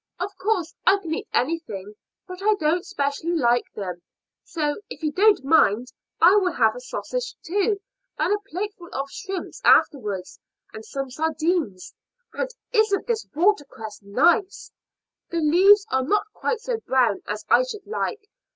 Of course, I can eat anything, but I don't specially like them; so if you don't mind I will have a sausage, too, and a plateful of shrimps afterwards, and some sardines. And isn't this water cress nice? The leaves are not quite so brown as I should like.